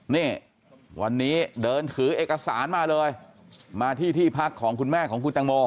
นี่วันนี้เดินถือเอกสารมาเลยมาที่ที่พักของคุณแม่ของคุณตังโม